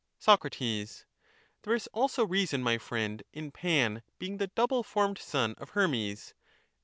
Soc. There is also reason, my friend, in Pan being the double formed son of Hermes.